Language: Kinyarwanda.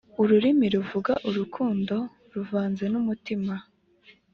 ururimi ruvuga urukundo ruvanze n umutima